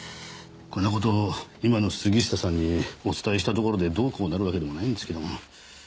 こんな事今の杉下さんにお伝えしたところでどうこうなるわけでもないんですけども。